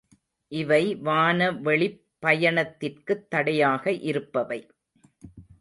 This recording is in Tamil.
இவை வானவெளிப் பயணத்திற்குத் தடையாக இருப்பவை.